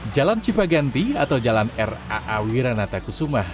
jalan cipaganti atau jalan raa wiranata kusumah